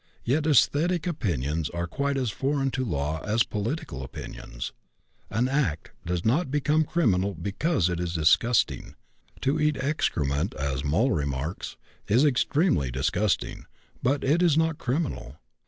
Yet esthetic opinions are quite as foreign to law as political opinions. An act does not become criminal because it is disgusting. To eat excrement, as Moll remarks, is extremely disgusting, but it is not criminal.